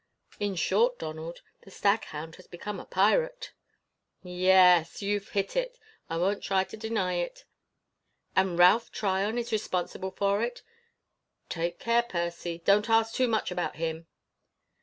"In short, Donald, the Staghound has become a pirate?" "Ye e es! You've hit it. I won't try to deny it." "And Ralph Tryon is responsible for it?" "Take care, Percy! Don't ask too much about him!"